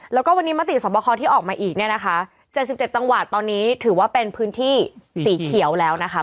แล้วก็วันนี้มติสวบคอที่ออกมาอีกเนี่ยนะคะ๗๗จังหวัดตอนนี้ถือว่าเป็นพื้นที่สีเขียวแล้วนะคะ